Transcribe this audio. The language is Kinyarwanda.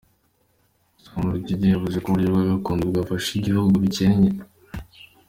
Sam Rugege yavuze ko uburyo bwa gakondo bwafasha ibihugu bikennye.